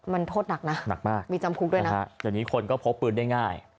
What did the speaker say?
มันโทษหนักนะหนักมากมีจำคุกด้วยนะคะเดี๋ยวนี้คนก็พกปืนได้ง่าย